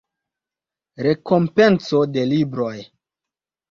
Rekompenco de Libroj.